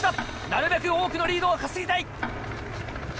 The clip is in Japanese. なるべく多くのリードを稼ぎたい。